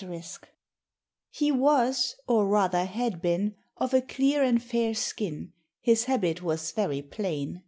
*] "He was (or rather had been) of a clear and faire skin, his habit was very plaine.